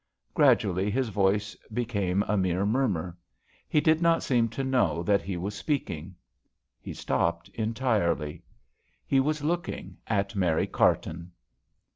Gradually his voice became a mere murmur. He did not seem to know that he was speaking. He stopped en tirely. He was looking at Mary Carton.